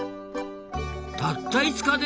たった５日で？